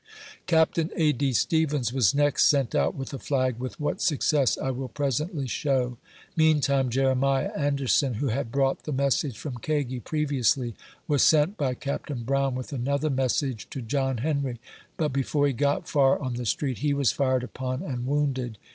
Capt. A. D. Stevens was next sent out with a flag, with what success I will presently show. Meantime, Jeremiah Anderson, who had brought the message from Kagi previous ly, was sent by Capt. Brown with another message to John Henric, but before he got far on the street, he was fired upon and wounded.